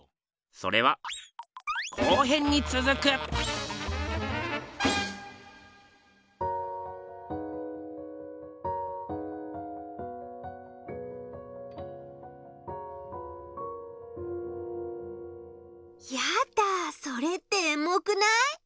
それはやだそれってエモくない？